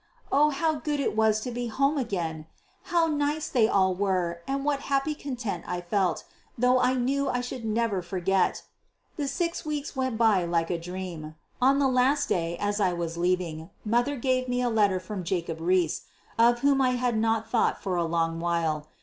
Oh, how good it was to go home again! How nice they all were, and what quiet content I felt, though I knew I should never forget! The six weeks went by like a dream. On the last day, as I was leaving, mother gave me a letter from Jacob Riis, of whom I had not thought for a long while.